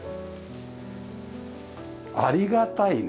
ありがたいね。